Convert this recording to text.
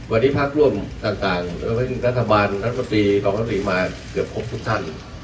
วันนี้พักร่วมต่างรัฐบาลรัฐบาลตีต่อมาเกือบครบทุกท่าน